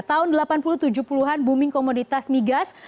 tahun delapan puluh tujuh puluh an booming komoditas migas